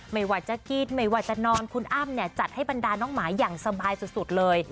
ไม่ว่าจะกรี๊ดไม่ว่าจะนอนคุณอ้ำเนี่ยจัดให้บรรดาน้องหมาอย่างสบายสุดเลย